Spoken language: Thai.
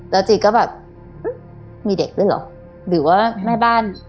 แล้วจีก็แบบมีเด็กด้วยเหรอหรือว่าแม่บ้าน